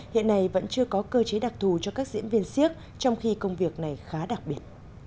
hiện nay vẫn chưa có cơ chế đặc thù cho các diễn viên siếc trong khi công việc này khá đặc biệt